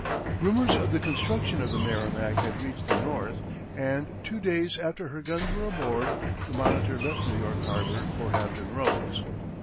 Rumors of the construction of the Merrimac had reached the North, and two days after her guns were aboard, the Monitor left New York harbor for Hampton Roads.